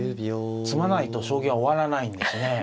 詰まないと将棋は終わらないんですね。